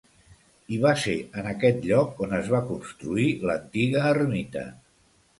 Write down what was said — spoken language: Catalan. I va ser en aquest lloc on es va construir l'antiga ermita.